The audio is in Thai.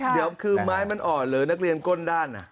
เดี๋ยวคือไม้มันอ่อนหรือนักเรียนก้นด้าน